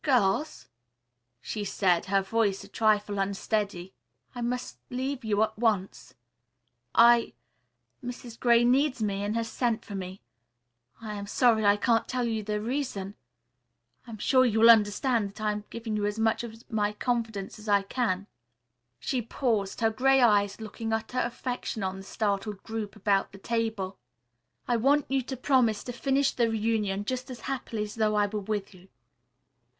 "Girls," she said, her voice a trifle unsteady, "I must leave you at once. I Mrs. Gray needs me and has sent for me. I am sorry I can't tell you the reason. I am sure you will understand that I am giving you as much of my confidence as I can." She paused, her gray eyes looking utter affection on the startled group about the table. "I want you to promise to finish the reunion just as happily as though I were with you.